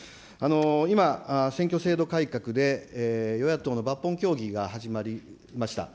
今、選挙制度改革で与野党の抜本協議が始まりました。